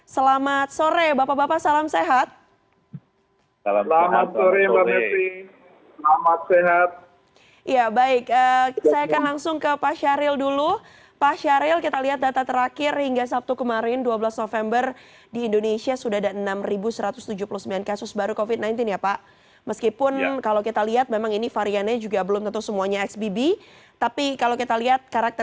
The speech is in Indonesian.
selamat sore bapak bapak salam sehat